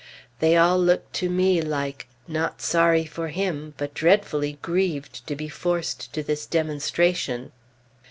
They all look to me like "not sorry for him, but dreadfully grieved to be forced to this demonstration."